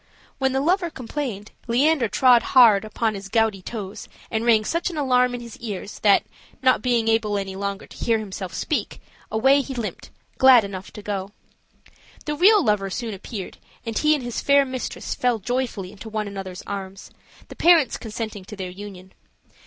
When the lover complained, Leander trod hard upon his gouty toes and rang such an alarm in his ears that, not being able any longer to hear himself speak, away he limped, glad enough to go. The real lover soon appeared, and he and his fair mistress fell joyfully into one another's arms, the parents consenting to their union.